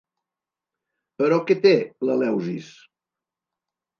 Però què té, l'Eleusis?